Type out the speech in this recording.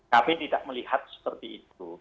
kami tidak melihat seperti itu